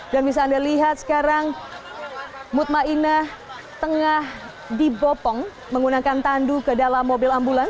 dan bisa anda lihat sekarang mutma inah tengah dibopong menggunakan tandu ke dalam mobil